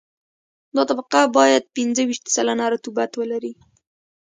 دا طبقه باید پنځه ویشت سلنه رطوبت ولري